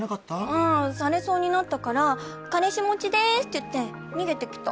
あされそうになったから「彼氏持ちです」って言って逃げて来た。